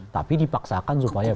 tapi dipaksakan supaya benar